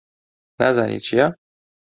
نازانی چییە؟